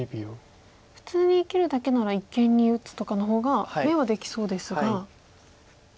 普通に生きるだけなら一間に打つとかの方が眼はできそうですが。